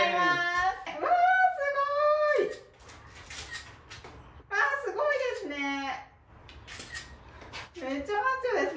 すごいですね。